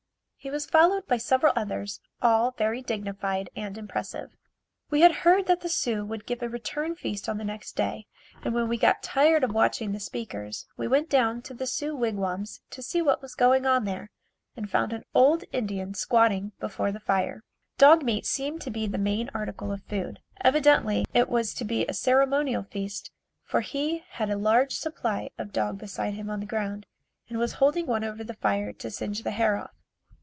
He was followed by several others all very dignified and impressive. We had heard that the Sioux would give a return feast on the next day and when we got tired of watching the speakers, we went down to the Sioux wigwams to see what was going on there and found an old Indian squatting before the fire. Dog meat seemed to be the main article of food. Evidently it was to be a ceremonial feast for he had a large supply of dog beside him on the ground and was holding one over the fire to singe the hair off.